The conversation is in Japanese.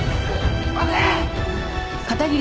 待て！